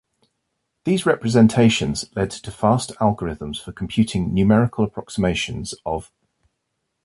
These representations led to fast algorithms for computing numerical approximations of.